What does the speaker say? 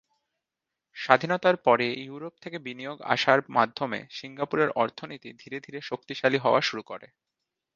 স্বাধীনতার পরে ইউরোপ থেকে বিনিয়োগ আসার মাধ্যমে সিঙ্গাপুরের অর্থনীতি ধীরে ধীরে শক্তিশালী হওয়া শুরু করে।